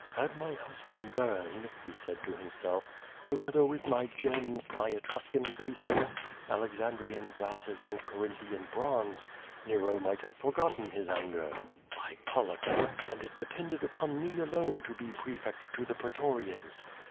"Had my house been burned," he said to himself, *^Ch gether with my gems, my Etmscan vases, Alexandrian glasses and Corinthian bronze, Nero might have forgotten his anger. QVO VADIS. 367 By Pollux! and it depended upon me alone to be prefect to the pretorians!